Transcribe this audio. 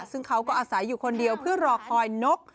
ซึ่งเขาก็อาศัยอยู่คนเดียวเพื่อรอคอยนก